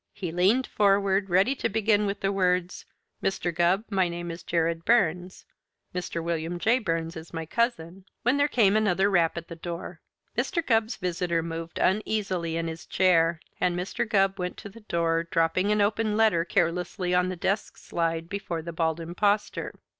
He leaned forward, ready to begin with the words, "Mr. Gubb, my name is Jared Burns. Mr. William J. Burns is my cousin " when there came another rap at the door. Mr. Gubb's visitor moved uneasily in his chair, and Mr. Gubb went to the door, dropping an open letter carelessly on the desk slide before the Bald Impostor.